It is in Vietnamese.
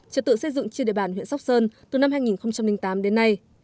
trật tự xây dựng trên địa bàn huyện sóc sơn từ năm hai nghìn tám đến nay